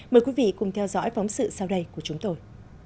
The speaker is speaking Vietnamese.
mời quý vị cùng theo dõi phóng sự sau đây của chúng tôi